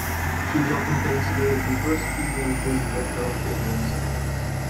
She is often considered the first female film director of Indian cinema.